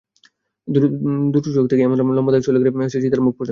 দুটি চোখ থেকেই এমন লম্বা দাগ চলে গেছে চিতার মুখ পর্যন্ত।